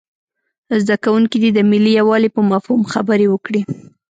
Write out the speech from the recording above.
زده کوونکي دې د ملي یووالي په مفهوم خبرې وکړي.